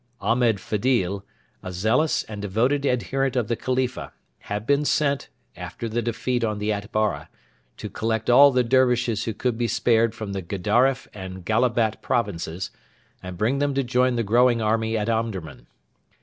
Ahmed Fedil, a zealous and devoted adherent of the Khalifa, had been sent, after the defeat on the Atbara, to collect all the Dervishes who could be spared from the Gedaref and Gallabat provinces, and bring them to join the growing army at Omdurman.